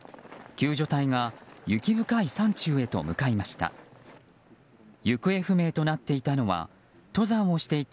救助隊が雪深い山中へと向かいました。